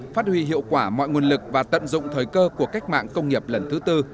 phát huy hiệu quả mọi nguồn lực và tận dụng thời cơ của cách mạng công nghiệp lần thứ tư